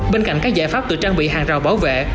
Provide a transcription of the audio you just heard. bên cạnh các giải pháp tự trang bị hàng rào bảo vệ